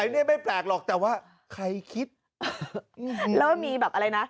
อันนี้ไม่แปลกหรอกแต่ว่าใครคิดแล้วมีแบบอะไรนะ